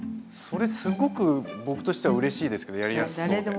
それすごく僕としてはうれしいですけどやりやすそうで。